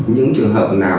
những trường hợp nào